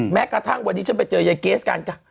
แม้กระทั่งวันนี้ฉันไปเจอไอ้เก๊สการกล้าว